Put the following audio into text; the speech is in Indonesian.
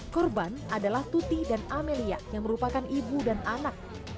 korban adalah tuti dan amelia yang merupakan ibu dan anak